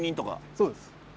そうです。